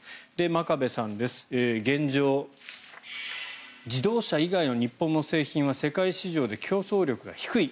真壁さんです現状、自動車以外の日本の製品は世界市場で競争力が低い。